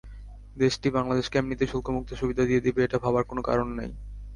দেশটি বাংলাদেশকে এমনিতেই শুল্কমুক্ত সুবিধা দিয়ে দেবে, এটা ভাবার কোনো কারণ নেই।